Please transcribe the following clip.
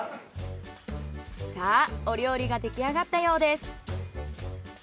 さあお料理ができあがったようです。